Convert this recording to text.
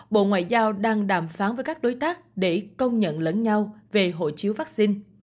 bộ ngoại giao đang đàm phán với các đối tác để công nhận lẫn nhau về hộ chiếu vaccine